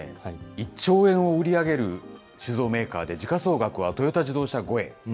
１兆円を売り上げる酒造メーカーで、時価総額はトヨタ自動車超え。